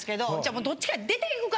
もうどっちか出ていくか？